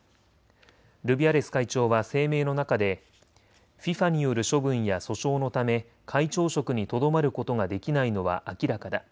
ルビアレス会長は声明の中でＦＩＦＡによる処分や訴訟のため会長職にとどまることができないのは明らかだ。